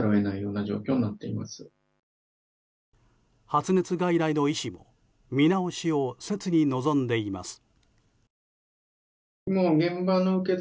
発熱外来の医師も見直しを切に望んでいます。